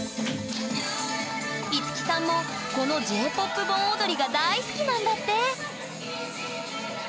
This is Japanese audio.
樹さんもこのＪ−ＰＯＰ盆踊りが大好きなんだって！